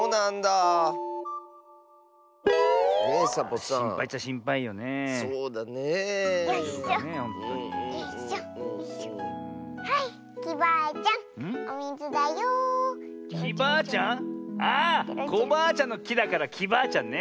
あっコバアちゃんのきだからきバアちゃんね。